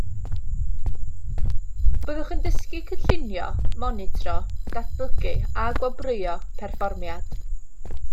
Byddwch yn dysgu cynllunio, monitro, datblygu a gwobrwyo perfformiad.